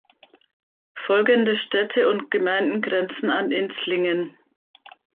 Folgende Städte und Gemeinden grenzen an Inzlingen.